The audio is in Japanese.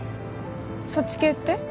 そっち系って？